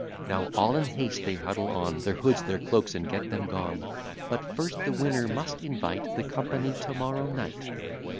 Now all in haste they huddle on Their hoods, their cloaks, and get them gone; But, first, the winner must invite The company to morrow night.